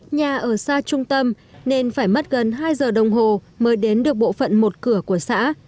nhà ở xa trung tâm nên phải mất gần hai giờ đồng hồ mới đến được bộ phận một cửa của xã